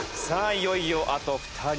いよいよあと２人。